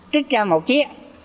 tích ra một chiếc